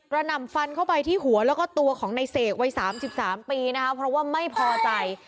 หนำฟันเข้าไปที่หัวแล้วก็ตัวของในเสกวัย๓๓ปีนะคะเพราะว่าไม่พอใจ